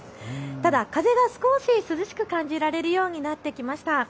ただ風が少し涼しく感じられるようになってきました。